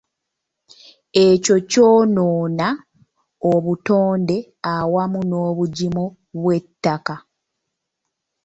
Ekyo kyonoona obutonde awamu nobugimu bw'ettaka.